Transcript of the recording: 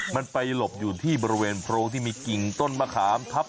มันไปหลบอยู่ที่บริเวณโพรงที่มีกิ่งต้นมะขามทับ